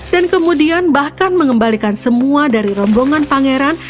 dan kemudian bahkan mengembalikan semua dari rombongan pangeran